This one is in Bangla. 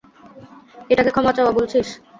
এটাকে ক্ষমা চাওয়া বলছিস?